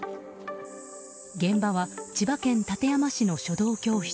現場は千葉県館山市の書道教室。